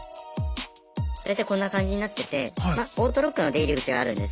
大体こんな感じになっててまオートロックの出入り口があるんです。